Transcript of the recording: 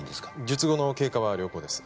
術後の経過は良好です。